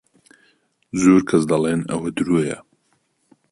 زۆر کەس دەڵێن ئەوە درۆیە.